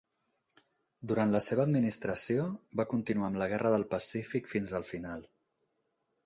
Durant la seva administració, va continuar amb la Guerra del Pacífic fins el final.